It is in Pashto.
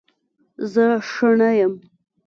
زه ښه نه یم